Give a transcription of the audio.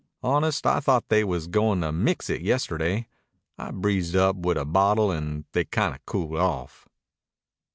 Honest, I thought they was goin' to mix it yesterday. I breezed up wit' a bottle an' they kinda cooled off."